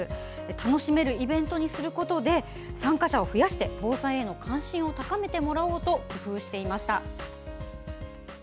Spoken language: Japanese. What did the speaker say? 楽しめるイベントにすることで参加者を増やして防災への関心を高めてもらおうと工夫していました。